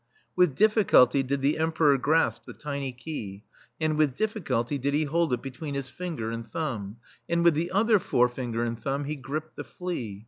With difficulty did the Emperor grasp the tiny key, and with difficulty did he hold it between his finger and [ i6] THE STEEL FLEA thumb ; and with the other forefinger and thumb he gripped the flea.